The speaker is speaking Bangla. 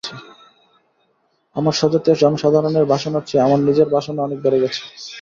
আমার স্বজাতীয় জনসাধারণের বাসনার চেয়ে আমার নিজের বাসনা অনেক বেড়ে গেছে।